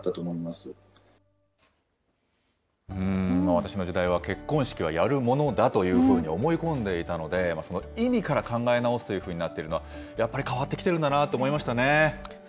私の時代は結婚式はやるものだというふうに思い込んでいたので、その意味から考え直すというふうになっているのは、やっぱり変わってきてるんだなって思いましたね。